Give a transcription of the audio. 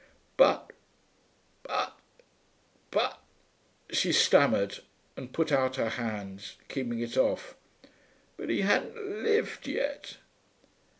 'But but but ' she stammered, and put out her hands, keeping it off 'But he hadn't lived yet....'